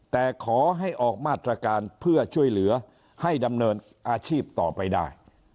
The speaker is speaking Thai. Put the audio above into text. แต่ขอให้ออกมาตรการเพื่อช่วยเหลือให้ดำเนินอาชีพต่อไปได้